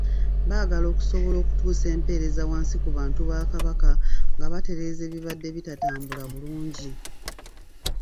Baagala okusobola okutuusa empeereza wansi ku bantu ba Kabaka nga batereeza ebibadde bitatambula bulungi.